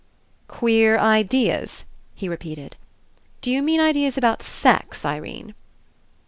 ''Queer Ideas?" he repeated. "D'you mean Ideas about sex, Irene?"